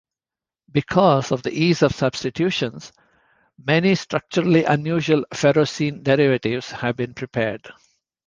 Because of the ease of substitution, many structurally unusual ferrocene derivatives have been prepared.